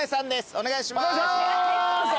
お願いします。